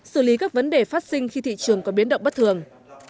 xử lý các vấn đề phát sinh khi thị trường có biến động bất thường